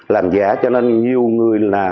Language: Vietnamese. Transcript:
làm giả cho nên nhiều người là